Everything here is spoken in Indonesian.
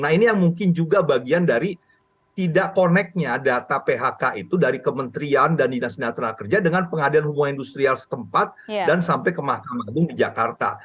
nah ini yang mungkin juga bagian dari tidak connectnya data phk itu dari kementerian dan dinas netra kerja dengan pengadilan hubungan industrial setempat dan sampai ke mahkamah agung di jakarta